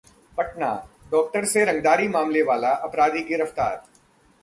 Patna: doctor से रंगदारी मांगने वाला अपराधी गिरफ्तार